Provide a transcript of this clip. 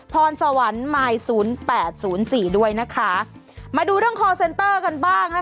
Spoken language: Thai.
พรสวรรค์มายศูนย์แปดศูนย์สี่ด้วยนะคะมาดูเรื่องคอร์เซ็นเตอร์กันบ้างนะคะ